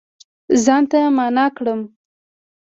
ځان ته معنا کړم